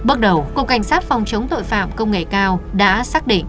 bước đầu cục cảnh sát phòng chống tội phạm công nghệ cao đã xác định